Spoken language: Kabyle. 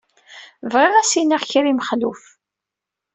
Bɣiɣ ad as-iniɣ kra i Mexluf.